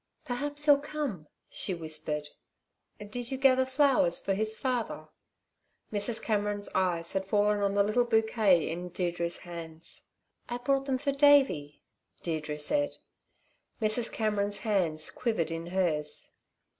"Perhaps he'll come," she whispered. "Did you gather the flowers for his father?" Mrs. Cameron's eyes had fallen on the little bouquet in Deirdre's hands. "I brought them for Davey," Deirdre said. Mrs. Cameron's hands quivered in hers.